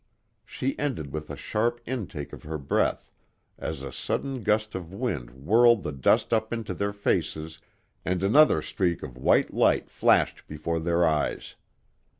She ended with a sharp intake of her breath as a sudden gust of wind whirled the dust up into their faces and another streak of white light flashed before their eyes.